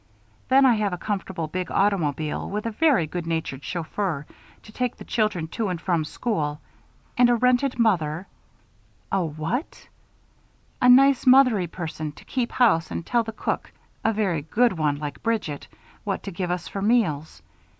Then, I have a comfortable big automobile with a very good natured chauffeur to take the children to and from school and a rented mother " "A what?" "A nice, mother y person to keep house and tell the cook a very good one like Bridget what to give us for meals.